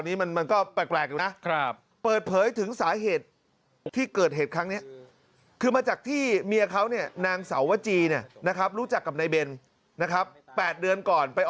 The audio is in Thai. ไงนะผมอาจจะโดนฆ่าตายก็ได้